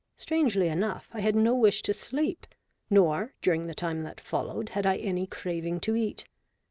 Strangely enough, I had no wish to sleep, nor, during the time that followed, had I any craving to eat.